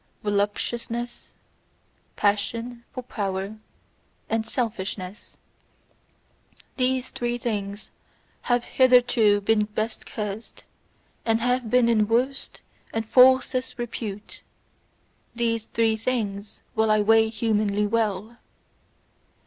VOLUPTUOUSNESS, PASSION FOR POWER, and SELFISHNESS: these three things have hitherto been best cursed, and have been in worst and falsest repute these three things will I weigh humanly well.